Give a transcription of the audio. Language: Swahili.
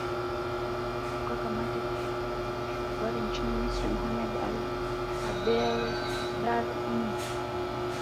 mjumbe kutoka kamati ya kutetea waandishi wa habari nchini misri mohamed abdel dar mh